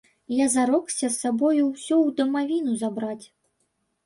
Я зарокся з сабою ўсё ў дамавіну забраць.